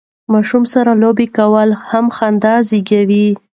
ماشومانو سره لوبې کول هم خندا زیږوي.